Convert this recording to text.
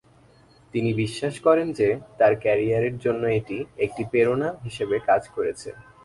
তিনি বিশ্বাস করেন যে তার ক্যারিয়ারের জন্য এটি একটি প্রেরণা হিসাবে কাজ করেছে।